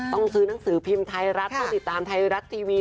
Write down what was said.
ซื้อหนังสือพิมพ์ไทยรัฐต้องติดตามไทยรัฐทีวี